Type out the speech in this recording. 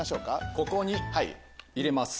ここに入れます。